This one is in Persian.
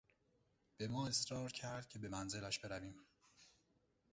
به ما اصرار کرد که به منزلش برویم.